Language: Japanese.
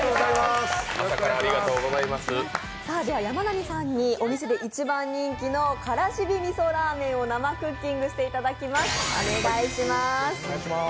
山並さんにお店で一番人気のカラシビ味噌らー麺を生クッキングしていただきます。